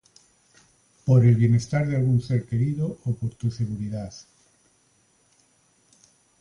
por el bienestar de algún ser querido o por tu seguridad